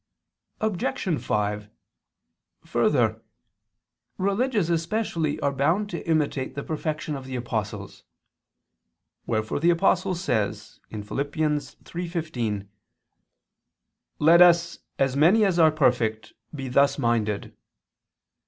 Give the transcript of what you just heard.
Obj. 5: Further, religious especially are bound to imitate the perfection of the apostles; wherefore the Apostle says (Phil. 3:15): "Let us ... as many as are perfect, be thus minded."